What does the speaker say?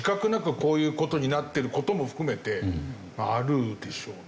こういう事になってる事も含めてあるでしょうね。